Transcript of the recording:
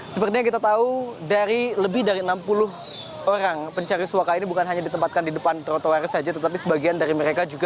seperti yang kita tahu dari lebih dari enam puluh orang pencari suaka ini bukan hanya ditempatkan di depan trotoar saja tetapi sebagian dari mereka juga